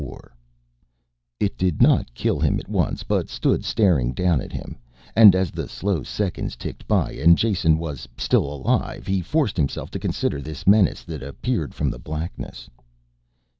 IV It did not kill him at once, but stood staring down at him, and as the slow seconds ticked by and Jason was still alive he forced himself to consider this menace that appeared from the blackness.